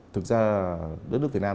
thực ra đất nước việt nam